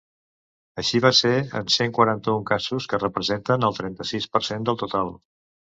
Així va ser en cent quaranta-un casos, que representen el trenta-sis per cent del total.